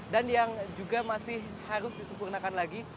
dan yang juga masih harus disempurnakan lagi